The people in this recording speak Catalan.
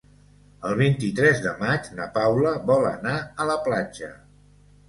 El vint-i-tres de maig na Paula vol anar a la platja.